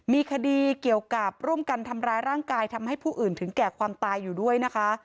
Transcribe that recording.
มีคดีเกี่ยวกับร่วมกันทำร้ายร่างกายทำให้ผู้อื่นถึงแก่ความตายอยู่ด้วยนะคะ